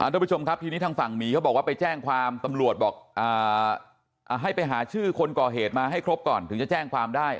ทุกผู้ชมครับทีนี้ทางฝั่งหมีเขาบอกว่าไปแจ้งความตำรวจบอกให้ไปหาชื่อคนก่อเหตุมาให้ครบก่อนถึงจะแจ้งความได้